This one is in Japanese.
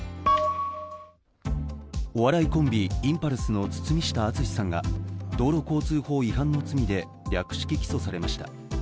お笑いコンビ、インパルスの堤下敦さんが道路交通法違反の罪で略式起訴されました。